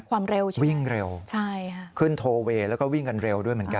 ความเร็วใช่ไหมวิ่งเร็วใช่ค่ะขึ้นโทเวย์แล้วก็วิ่งกันเร็วด้วยเหมือนกัน